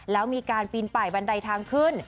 แล้วมีการปีนป่ายบันไดทางขึ้น